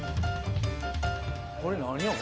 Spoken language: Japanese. これ何や？